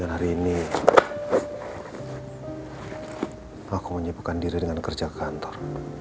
aku mau nyibukkan diri dengan kerja kantor